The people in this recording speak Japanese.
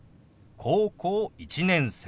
「高校１年生」。